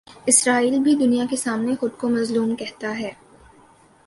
اسرائیل بھی دنیا کے سامنے خو دکو مظلوم کہتا ہے۔